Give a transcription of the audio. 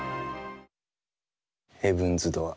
ヘブンズ・ドアー。